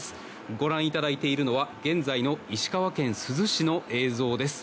ご覧いただいているのは現在の石川県珠洲市の映像です。